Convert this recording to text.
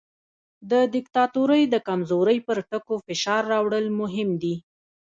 د دیکتاتورۍ د کمزورۍ پر ټکو فشار راوړل مهم دي.